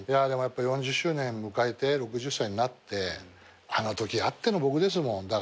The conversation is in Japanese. でもやっぱ４０周年迎えて６０歳になってあのときあっての僕ですもん。